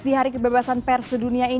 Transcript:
selamat hari kebebasan persedunia